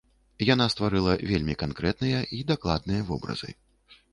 Яна стварыла вельмі канкрэтныя й дакладныя вобразы.